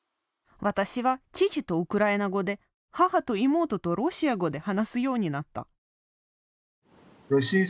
私は父とウクライナ語で母と妹とロシア語で話すようになった。